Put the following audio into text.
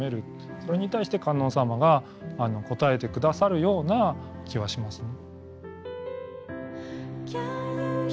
それに対して観音様が答えてくださるような気はしますね。